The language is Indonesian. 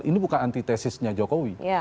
ini bukan anti tesisnya jokowi